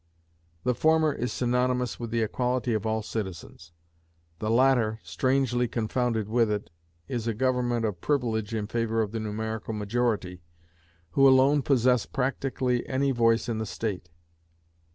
The former is synonymous with the equality of all citizens; the latter, strangely confounded with it, is a government of privilege in favor of the numerical majority, who alone possess practically any voice in the state.